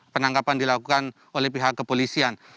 penangkapan dilakukan oleh pihak kepolisian